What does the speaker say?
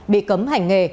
bị cấm hành nghề